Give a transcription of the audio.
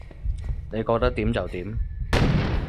你覺得點就點